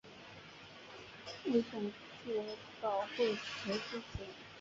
为种子岛惠时之子。